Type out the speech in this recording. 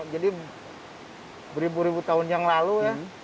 jadi beribu ribu tahun yang lalu ya